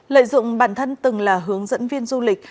lợi dụng bản thân từng là hướng dẫn viên du lịch